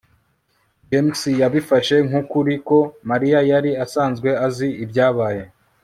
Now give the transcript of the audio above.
james yabifashe nk'ukuri ko mariya yari asanzwe azi ibyabaye